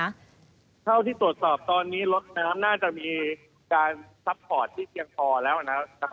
เท่าที่ตรวจสอบตอนนี้รถน้ำน่าจะมีการซัพพอร์ตที่เพียงพอแล้วนะครับ